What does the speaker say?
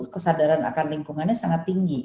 kesadaran akan lingkungannya sangat tinggi